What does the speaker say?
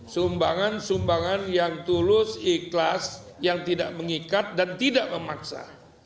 sumbangan sumbangan yang tulus ikhlas yang tidak mengikat dan tidak memaksa